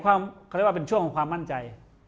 เขาเรียกว่าเป็นช่วงของความมั่นใจ